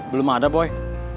belum ada boy